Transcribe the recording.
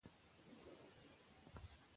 هغه د سیاسي علومو زده کړه وکړه.